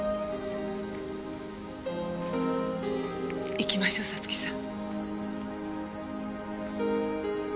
行きましょう五月さん。